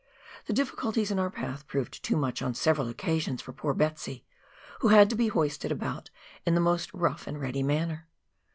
The difficulties in our path proved too much on several occasions for poor " Betsy," who had to be hoisted about in the most rough and ready manner.